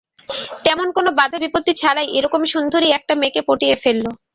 তেমন কোনও বাঁধা বিপত্তি ছাড়াই এরকম সুন্দরী একটা মেয়েকে পটিয়ে ফেলল!